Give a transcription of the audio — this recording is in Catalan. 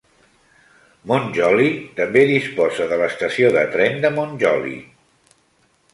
Mont-Joli també disposa de l'estació de tren de Mont-Joli.